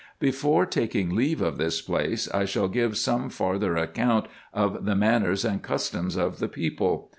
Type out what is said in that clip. Before taking leave of this place, I shall give some farther account of the manners and customs of the people.